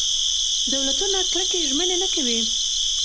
دولتونه کلکې ژمنې نه کوي.